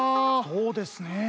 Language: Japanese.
そうですねえ。